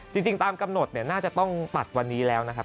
จริงตามกำหนดน่าจะต้องตัดวันนี้แล้วนะครับ